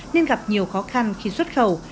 nên gặp nhiều khó khăn khi xuất khẩu